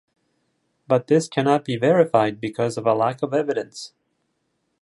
But this cannot be verified because of a lack of evidence.